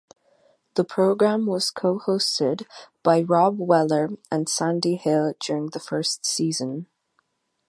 The program was co-hosted by Robb Weller and Sandy Hill during the first season.